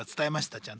ちゃんと。